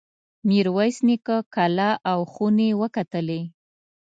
میرویس نیکه کلا او خونې وکتلې.